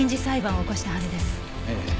ええ。